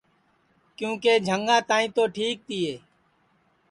کیونکہ جھنگا تک تو ٹھیک تیے